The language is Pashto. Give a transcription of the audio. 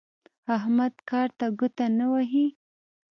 احمد کار ته ګوته نه وهي.